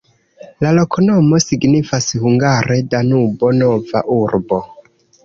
La loknomo signifas hungare Danubo-nova-urbo.